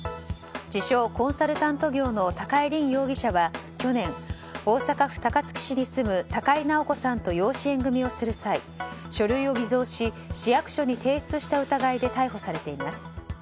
自称コンサルタント業の高井凜容疑者は去年大阪府高槻市に住む高井直子さんと養子縁組をする際書類を偽造し市役所に提出した疑いで逮捕されています。